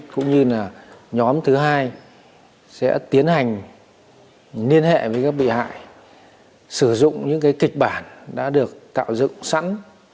cũng như là nhóm thứ hai sẽ tiến hành liên hệ với các bị hại sử dụng những cái kịch bản đã được tạo dựng sẵn